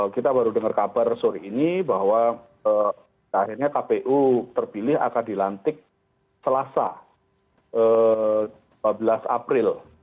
kita baru dengar kabar sore ini bahwa akhirnya kpu terpilih akan dilantik selasa dua belas april